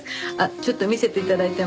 ちょっと見せて頂いても。